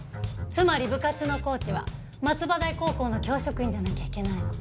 つまり部活のコーチは松葉台高校の教職員じゃなきゃいけないの。